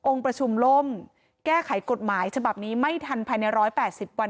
ประชุมล่มแก้ไขกฎหมายฉบับนี้ไม่ทันภายใน๑๘๐วัน